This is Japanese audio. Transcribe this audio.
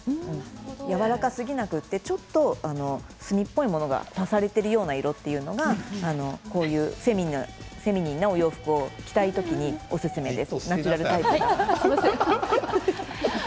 やわらかすぎなくてちょっと墨っぽい物を足されている色というのはこういうフェミニンなお洋服を着たい時におすすめです。